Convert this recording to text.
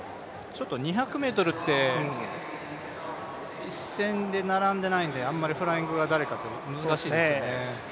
２００ｍって一線で並んでないので、あんまりフライングが誰かっていうのは、難しいですよね。